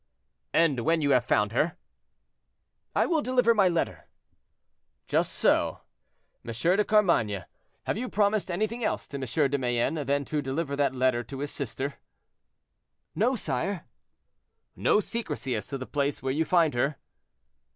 "And when you have found her?" "I will deliver my letter." "Just so. M. de Carmainges, have you promised anything else to M. de Mayenne than to deliver that letter to his sister?" "No, sire." "No secrecy as to the place where you find her?"